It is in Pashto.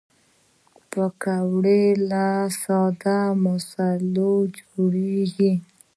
پکورې له ساده مصالحو جوړېږي